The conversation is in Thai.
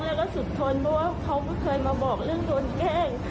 สุดทนเพราะว่าเขาไม่เคยมาบอกเรื่องโดนแกล้ง